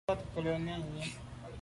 À wat nkelo nèn yi.